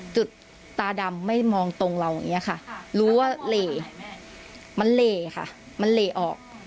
จุดตาดำไม่มองตรงเราอย่างนี้ค่ะรู้ว่าเหลมันเหล่ค่ะมันเหลออก